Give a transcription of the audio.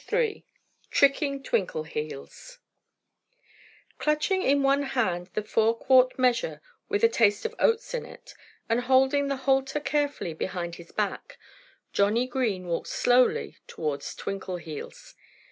III TRICKING TWINKLEHEELS Clutching in one hand the four quart measure with a taste of oats in it, and holding the halter carefully behind his back, Johnnie Green walked slowly towards Twinkleheels.